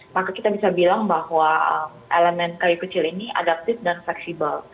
maka kita bisa bilang bahwa elemen kayu kecil ini adaptif dan fleksibel